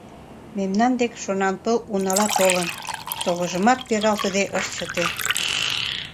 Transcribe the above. Мемнан дек шонанпыл унала толын! — совыжымак пералтыде ыш чыте.